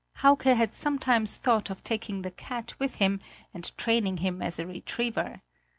Hauke had sometimes thought of taking the cat with him and training him as a retriever.